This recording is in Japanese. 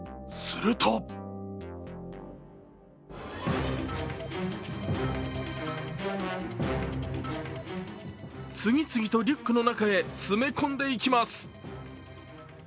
すると次々とリュックの中に詰め込んでいきます。